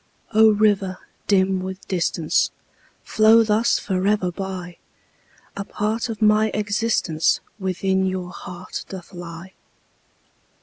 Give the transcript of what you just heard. O river, dim with distance, Flow thus forever by, A part of my existence Within your heart doth lie!